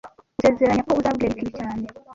Gusezeranya ko uzabwira Eric ibi cyane